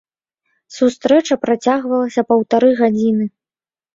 Сустрэча працягвалася паўтары гадзіны.